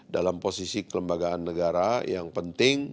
dalam posisi kelembagaan negara yang penting